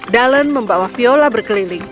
dallon membawa viola berkeliling